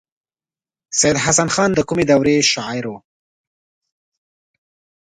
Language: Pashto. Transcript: سید حسن خان د کومې دورې شاعر و.